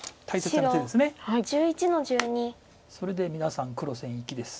それで皆さん黒先生きです。